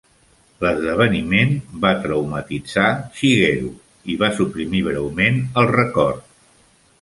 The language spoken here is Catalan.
L'esdeveniment va traumatitzar Shigeru i va suprimir breument el record.